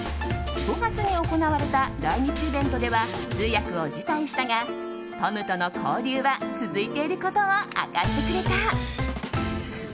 ５月に行われた来日イベントでは通訳を辞退したがトムとの交流は続いていることを明かしてくれた。